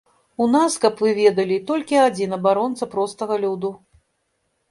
У нас, каб вы ведалі, толькі адзін абаронца простага люду.